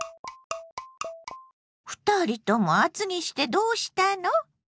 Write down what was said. ２人とも厚着してどうしたの？